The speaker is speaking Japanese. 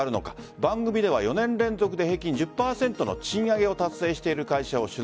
番組では４年連続で平均１０％の賃上げを達成している会社を取材。